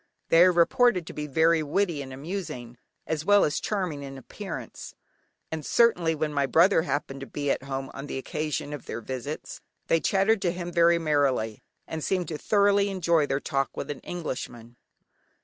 They are reported to be very witty and amusing, as well as charming in appearance, and certainly when my brother happened to be at home on the occasion of their visits, they chattered to him very merrily, and seemed to thoroughly enjoy their talk with an Englishman.